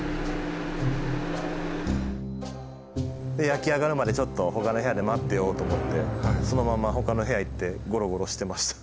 焼き上がるまでちょっとほかの部屋で待ってようと思ってそのまんまほかの部屋へ行ってごろごろしてました。